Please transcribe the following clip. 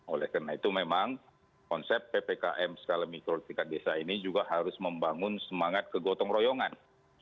oleh karena itu memang konsep ppkm skala mikro di tingkat desa ini juga harus membangun semangat kegotong royongan